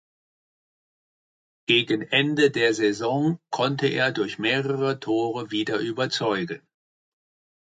Gegen Ende der Saison konnte er durch mehrere Tore wieder überzeugen.